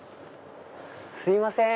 すいません。